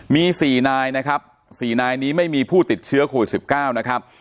มี๔นายนะครับ๔นายนี้ไม่มีผู้ติดเชื้อโควิด๑๙นะครับ